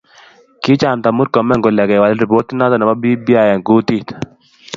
Kichamta Murkomen kole kewal ripotit noto ab bbi eng kutit